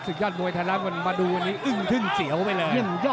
ยอดมวยไทยรัฐมันมาดูวันนี้อึ้งทึ่งเสียวไปเลย